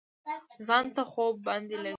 ځان ته خوب باندې لیکمه